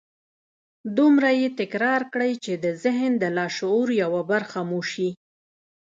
دومره يې تکرار کړئ چې د ذهن د لاشعور يوه برخه مو شي.